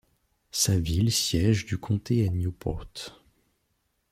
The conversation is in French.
Sa ville siège du comté est Newport.